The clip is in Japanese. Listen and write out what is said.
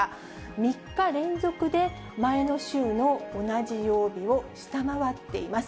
３日連続で前の週の同じ曜日を下回っています。